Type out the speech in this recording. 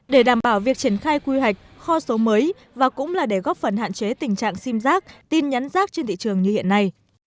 để đảm bảo việc triển khai quy hoạch kho số mới và cũng là để góp phần hạn chế tình trạng sim giác tin nhắn rác trên thị trường như hiện nay